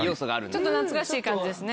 ちょっと懐かしい感じですね。